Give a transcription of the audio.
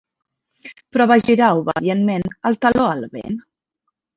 Però va girar obedientment el taló al vent.